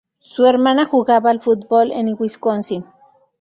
Su hermana jugaba al fútbol en Wisconsin.